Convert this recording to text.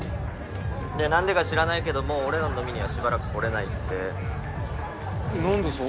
でなんでか知らないけどもう俺らの飲みにはしばらくこれないってえっなんでそうなるんすか？